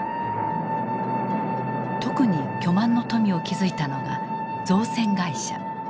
特に巨万の富を築いたのが造船会社。